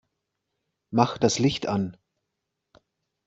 Mach das Licht an!